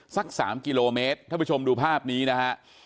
สัก๓กิโลเมตรท่านผู้ชมดูภาพนี้นะฮะ